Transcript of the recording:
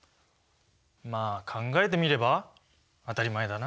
まあ考えてみれば当たり前だな。